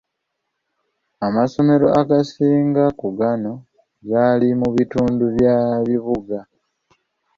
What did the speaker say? Amasomero agasinga ku gano gali mu bitundu bya bibuga.